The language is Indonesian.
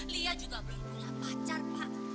lia juga belum punya pacar pak